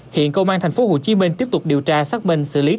hiện công an tp hcm tiếp tục điều tra xác minh xử lý theo quy định